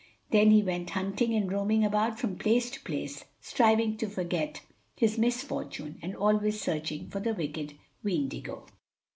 Then he went hunting and roaming about from place to place, striving to forget his misfortune, and always searching for the wicked Weendigo.